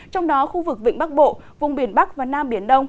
trong đó khu vực vịnh bắc bộ vùng biển bắc và nam biển đông